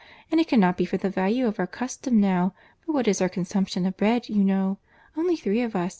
And it cannot be for the value of our custom now, for what is our consumption of bread, you know? Only three of us.